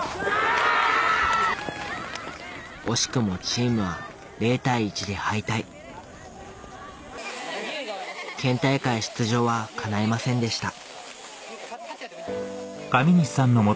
惜しくもチームは０対１で敗退県大会出場はかないませんでした